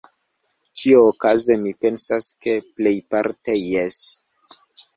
Ĉi-okaze mi pensas, ke plejparte jes.